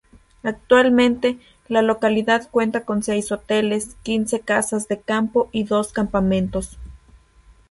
Actualmente la localidad cuenta con seis hoteles, quince casas de campo y dos campamentos.